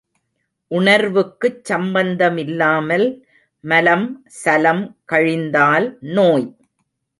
உணர்வுக்குச் சம்பந்தமில்லாமல் மலம் சலம் கழிந்தால் நோய்.